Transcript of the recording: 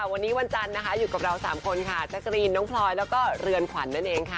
วันนี้วันจันทร์นะคะอยู่กับเรา๓คนค่ะแจ๊กกะรีนน้องพลอยแล้วก็เรือนขวัญนั่นเองค่ะ